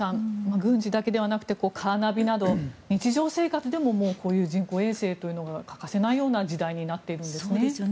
軍事だけではなくてカーナビなど日常生活でももうこういう人工衛星というのが欠かせない時代になっているんですね。